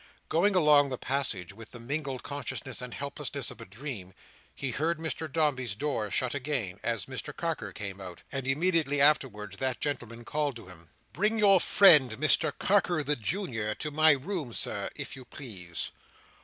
Going along the passage, with the mingled consciousness and helplessness of a dream, he heard Mr Dombey's door shut again, as Mr Carker came out: and immediately afterwards that gentleman called to him. "Bring your friend Mr Carker the Junior to my room, Sir, if you please."